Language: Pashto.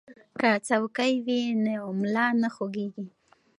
که څوکۍ وي نو ملا نه خوږیږي.